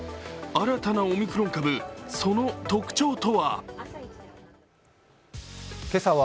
新たなオミクロン株、その特徴とは？